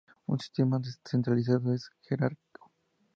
Un sistema descentralizado es jerárquico.